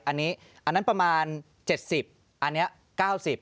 อันนี้อันนั้นประมาณ๗๐อันนี้๙๐บาท